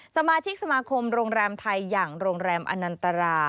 สมาชิกสมาคมโรงแรมไทยอย่างโรงแรมอนันตรา